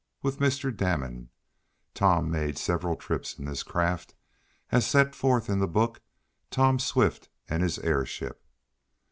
With Mr. Damon, Tom made several trips in this craft, as set forth in the book, "Tom Swift and His Airship."